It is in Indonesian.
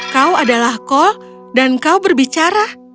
kau adalah kol dan kau berbicara